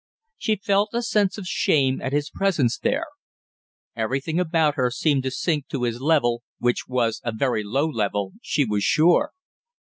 She felt a sense of shame at his presence there. Everything about her seemed to sink to his level, which was a very low level, she was sure.